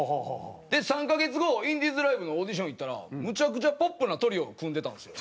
で３カ月後インディーズライブのオーディション行ったらむちゃくちゃポップなトリオを組んでたんですよ。